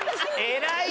偉い！